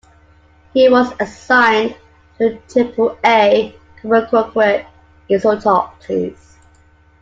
He was assigned to the Triple-A Albuquerque Isotopes.